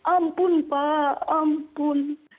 ampun pak ampun